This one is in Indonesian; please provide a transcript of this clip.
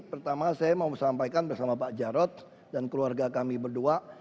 pertama saya mau sampaikan bersama pak jarod dan keluarga kami berdua